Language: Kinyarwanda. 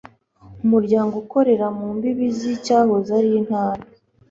Umuryango ukorera mu mbibi z icyahoze ari Intara